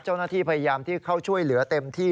เจ้าหน้าที่พยายามที่เข้าช่วยเหลือเต็มที่